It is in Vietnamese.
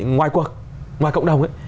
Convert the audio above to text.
ngoài cuộc ngoài cộng đồng ấy